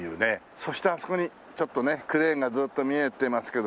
そしてあそこにちょっとねクレーンがずっと見えてますけど。